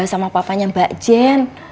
sama papanya mbak jen